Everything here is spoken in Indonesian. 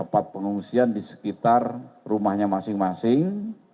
tempat pengungsian di sekitar rumahnya masing masing